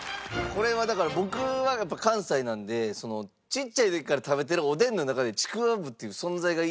これはだから僕はやっぱ関西なのでちっちゃい時から食べてるおでんの中でちくわぶっていう存在が。